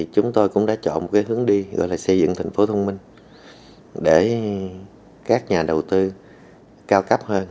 chúng tôi cũng đã chọn một cái hướng đi gọi là xây dựng thành phố thông minh để các nhà đầu tư cao cấp hơn